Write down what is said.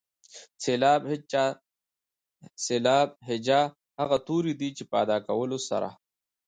سېلاب هجا هغه توري دي چې په ادا کولو سره.